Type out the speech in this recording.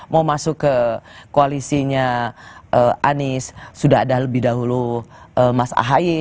mau masuk ke koalisinya anies sudah ada lebih dahulu mas ahaye